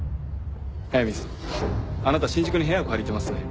速水さんあなた新宿に部屋を借りてますね。